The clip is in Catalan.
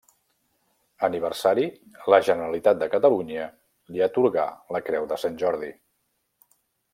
Aniversari, la Generalitat de Catalunya li atorgà la Creu de Sant Jordi.